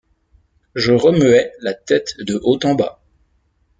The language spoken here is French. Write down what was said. Je remuai la tête de haut en bas.